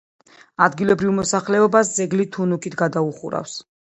ადგილობრივ მოსახლეობას ძეგლი თუნუქით გადაუხურავს.